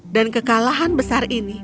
dan kekalahan besar ini